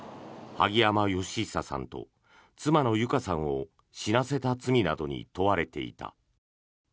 萩山嘉久さんと妻の友香さんを死なせた罪などに問われていた。